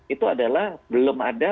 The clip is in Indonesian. itu adalah belum ada